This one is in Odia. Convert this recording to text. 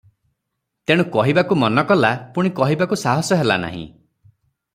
ତେଣୁ କହିବାକୁ ମନ କଲା- ପୁଣି କହିବାକୁ ସାହସ ହେଲା ନାହିଁ ।